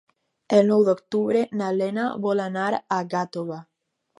El nou d'octubre na Lena vol anar a Gàtova.